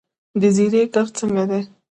د زیرې کښت څنګه دی؟